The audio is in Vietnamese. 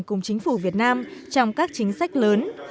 cùng chính phủ việt nam trong các chính sách lớn